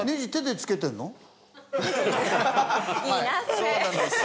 そうなんですよ。